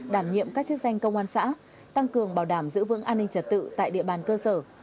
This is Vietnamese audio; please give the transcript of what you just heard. đảm nhiệm các chức danh công an xã tăng cường bảo đảm giữ vững an ninh trật tự tại địa bàn cơ sở